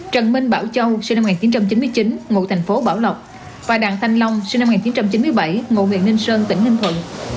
trần minh bảo châu sinh năm một nghìn chín trăm chín mươi chín ngụ thành phố bảo lộc và đặng thanh long sinh năm một nghìn chín trăm chín mươi bảy ngụ huyện ninh sơn tỉnh ninh thuận